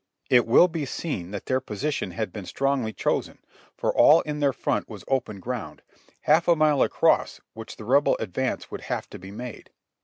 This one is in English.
It will be seen that their position had been strongly chosen, for all in their front was open ground, half a mile across which the Rebel advance would have to be made.